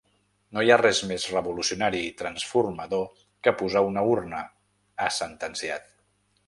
No hi ha res més revolucionari i transformador que posar una urna, ha sentenciat.